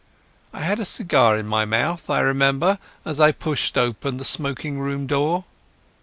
I had a cigar in my mouth, I remember, as I pushed open the smoking room door.